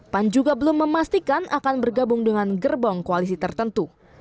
pan juga belum memastikan akan bergabung dengan gerbong koalisi tertentu